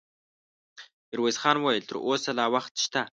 ميرويس خان وويل: تر اوسه لا وخت شته.